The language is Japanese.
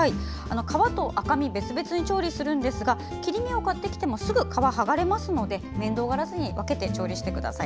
皮と赤身は別々に調理するんですが切り身を買ってきてもすぐ、皮ははがれるので面倒がらずにぜひ、分けて調理してみてください。